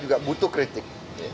juga butuh kritik